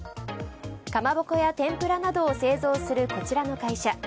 かまぼこや、てんぷらなどを製造するこちらの会社。